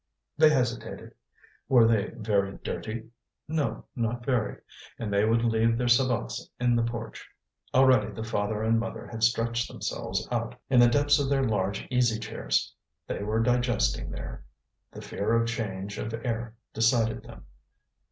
They hesitated. Were they very dirty? No, not very; and they would leave their sabots in the porch. Already the father and mother had stretched themselves out in the depths of their large easy chairs. They were digesting there. The fear of change of air decided them.